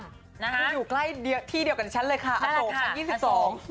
คุณอยู่ใกล้ที่เดียวกับฉันเลยค่ะอโศกชั้น๒๒